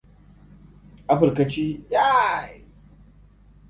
Apple ka ci, yay!